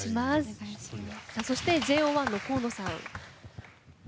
そしてＪＯ１の河野さん。